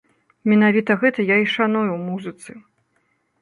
Менавіта гэта я і шаную ў музыцы.